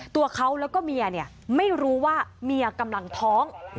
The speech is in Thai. ตัวเขาแล้วก็เมียไม่รู้ว่าเมียกำลังท้อง